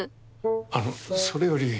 あのそれより。